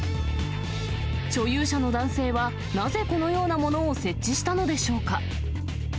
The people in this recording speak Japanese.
所有者の男性は、なぜこのようなものを設置したのでしょうか。